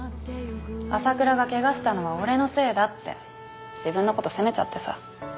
朝倉がケガしたのは俺のせいだって自分のこと責めちゃってさ。